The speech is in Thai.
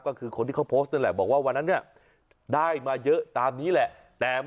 ก็คือคนที่เขาโพสต์นั่นแหละบอกว่าวันนั้นเนี่ยได้มาเยอะตามนี้แหละ